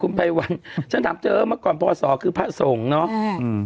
คุณไภวัฒน์ฉันถามเธอเมื่อก่อนพ่อส่อคือผ้าส่งเนาะ